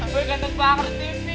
boy ganteng banget deh ini